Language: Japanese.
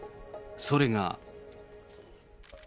それが。